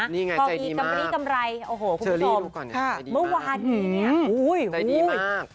นี่ไงใจดีมากคุณผู้ชมเมื่อวานนี้เนี่ยโอ้โฮคุณผู้ชมใจดีมาก